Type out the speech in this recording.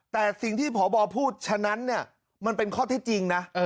แต่สิ่งที่พบพูดฉะนั้นเนี่ยมันเป็นข้อเท็จจริงนะ